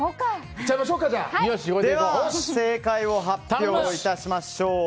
では正解を発表いたしましょう。